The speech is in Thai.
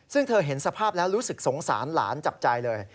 ซึ่งเธอเห็นสภาพแล้วรู้สึกสงสารหลานจับใจเลย